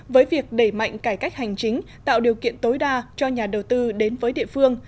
với việc đẩy mạnh cải cách hành chính tạo điều kiện tối đa cho nhà đầu tư đến với địa phương